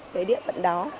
cái địa phận đó